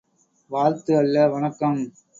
வாழ்த்து அல்ல வணக்கம்!